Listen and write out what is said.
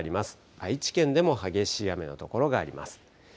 愛知県でも激しい雨のところがあります。